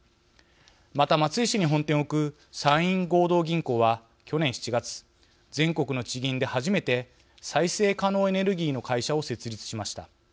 また、松江市に本店を置く山陰合同銀行は、去年７月全国の地銀で初めて再生可能エネルギーの会社を設立しました。